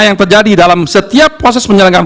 yang terjadi dalam setiap proses penyelenggaraan